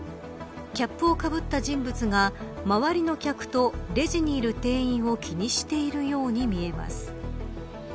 キャップをかぶった人物が周りの客とレジにいる店員を気にしているように見えます。